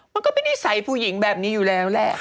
มันก็เป็นนิสัยผู้หญิงแบบนี้อยู่แล้วแหละ